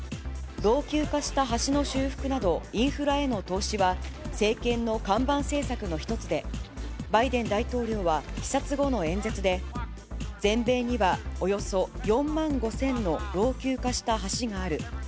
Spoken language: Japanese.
老朽化した橋の修復など、インフラへの投資は、政権の看板政策の一つで、バイデン大統領は視察後の演説で、全米にはおよそ４万５０００の老朽化した橋がある。